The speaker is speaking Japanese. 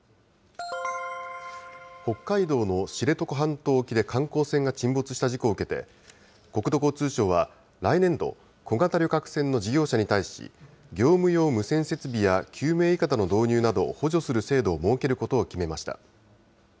北海道の知床半島沖で観光船が沈没した事故を受けて、国土交通省は来年度、小型旅客船の事業者に対し、業務用無線設備や救命いかだの導入などを補助する制度を設けることを決めました。